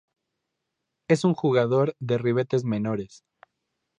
Es un jugador de ribetes menores